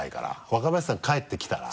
若林さん帰ってきたら。